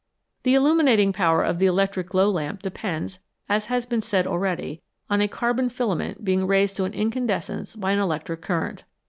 The illuminating power of the electric glow lamp depends, as has been said already, on a carbon filament being raised to incandescence by an electric current.